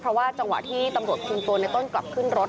เพราะว่าจังหวะที่ตำรวจคุมตัวในต้นกลับขึ้นรถ